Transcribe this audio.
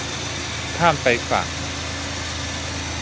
ข้ามไปฝั่ง